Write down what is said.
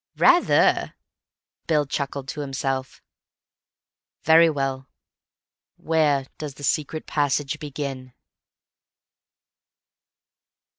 "Rather!" Bill chuckled to himself. "Very well. Where does the secret passage begin?"